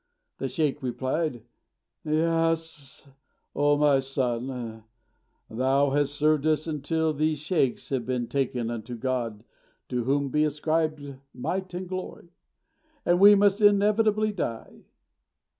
The sheykh replied, "Yes, O my son, thou hast served us until these sheykhs have been taken unto God (to whom be ascribed might and glory!), and we must inevitably die."